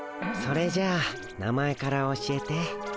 それじゃあ名前から教えて。